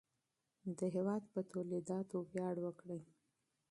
د هېواد په تولیداتو ویاړ وکړئ.